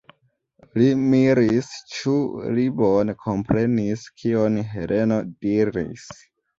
Li miris, ĉu li bone komprenis, kion Heleno diris.